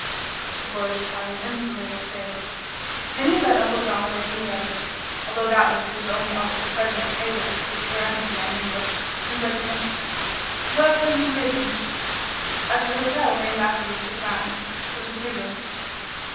The boyish Italian instantly looked grave. Then he led Uncle John away from the others, although doubtless he was the only officer present able to speak or understand English, and said to him: "Where are you living?" "At the hotel named after your sick mountain the Vesuve."